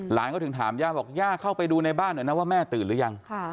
หลันก็ถึงถามแย่เข้าไปดูในบ้านหน่อยนะว่าแม่ตื่นหรือยัง